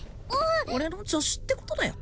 俺の助手ってことだよ